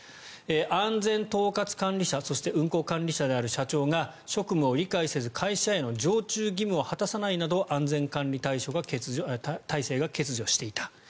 安全統括管理者そして運航管理者である社長が職務を理解せず会社への常駐義務を果たさないなど安全管理体制が欠如していた。